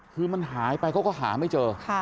คือมันหายไปเขาก็หาไม่เจอ